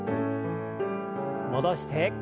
戻して。